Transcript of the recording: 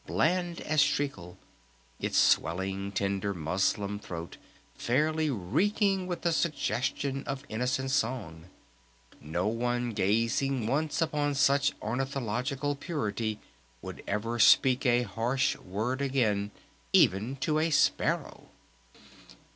Bland as treacle! Its swelling, tender muslin throat fairly reeking with the suggestion of innocent song! No one gazing once upon such ornithological purity would ever speak a harsh word again, even to a sparrow!